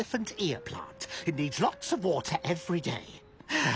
はあ。